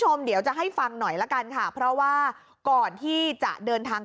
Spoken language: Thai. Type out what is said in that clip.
คุณผู้ชมเดี๋ยวจะให้ฟังหน่อยละกันค่ะเพราะว่าก่อนที่จะเดินทาง